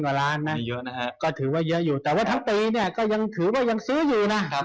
๓๐๐๐กว่าล้านนะก็ถือว่าเยอะอยู่แต่ว่าทั้งปีเนี่ยก็ถือว่ายังซื้ออยู่นะ